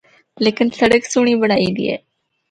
لیکن سڑک سہنڑی بنڑائی دی اے۔